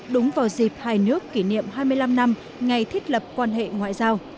đúng vào dịp hai nước kỷ niệm hai mươi năm năm ngày thiết lập quan hệ ngoại giao